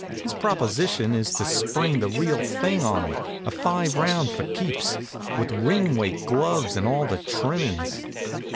His proposition is to spring the real thing on 'em, a five round go for keeps, with ring weight gloves, and all the trimmin's.